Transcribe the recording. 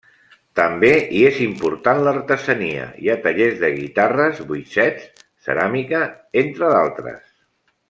També hi és important l'artesania: hi ha tallers de guitarres, boixets, ceràmica, entre d'altres.